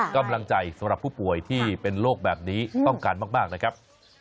กำลังใจสำหรับผู้ป่วยที่เป็นโรคแบบนี้ต้องการมากนะครับ